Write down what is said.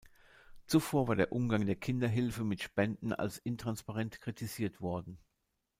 Zuvor war der Umgang der Kinderhilfe mit Spenden als intransparent kritisiert worden.